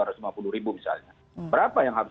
dua ratus lima puluh ribu misalnya berapa yang harus